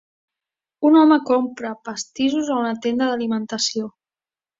Un home compra pastissos a una tenda d'alimentació.